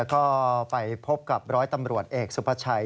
ก็ไปพบกับร้อยตำรวจเอกสุภาชัย